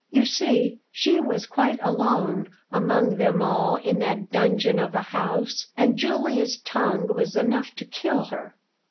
You see, she was quite alone among them all in that dungeon of a house; and Julia's tongue was enough to kill her.